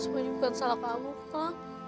bukan salah kamu pa